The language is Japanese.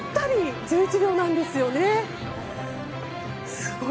すごい！